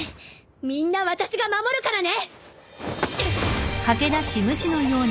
みんな私が守るからね！